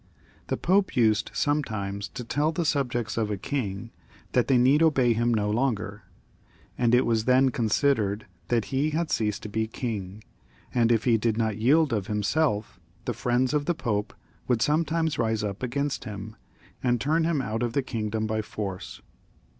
The Pope used sometimes to tell the subjects of a king that they need obey him no longer, and it was then considered that he had left off being king, and if he did not yield of himseK, the friends of the Pope would sometimes rise up against him, and turn him out of the kingdom by force.